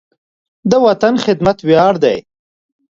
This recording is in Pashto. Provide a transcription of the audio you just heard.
د وطن خدمت ویاړ دی.